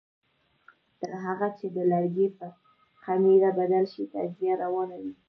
تر هغه چې د لرګي په خمېره بدل شي تجزیه روانه وي.